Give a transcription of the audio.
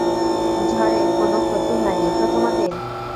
ঝড়ে কোনো ক্ষতি হয়নি তো তোমাদের?